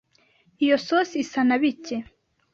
iyo sosi isa na bike